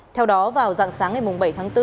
theo đó vào dạng sáng ngày bảy tháng bốn